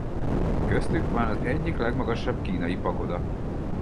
Köztük van az egyik legmagasabb kínai pagoda.